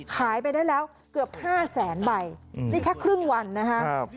ขายไปได้แล้วเกือบ๕แสนใบนี่แค่ครึ่งวันนะครับ